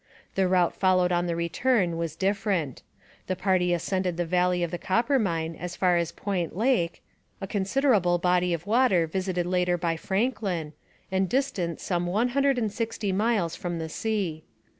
The route followed on the return was different. The party ascended the valley of the Coppermine as far as Point Lake, a considerable body of water visited later by Franklin, and distant one hundred and sixty miles from the sea.